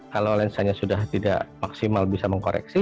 kalau lensanya sudah tidak maksimal bisa mengkoreksi